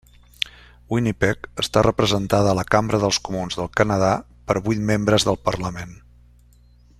Winnipeg està representada a la Cambra dels Comuns del Canadà per vuit membres del Parlament.